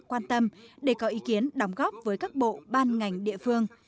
quan tâm để có ý kiến đóng góp với các bộ ban ngành địa phương